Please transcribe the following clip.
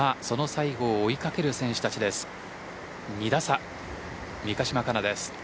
その西郷を追いかける選手たちです。